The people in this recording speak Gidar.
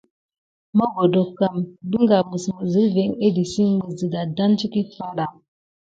Mogodonk pəka nisa kivin à tisik misa dedane tiki feranda.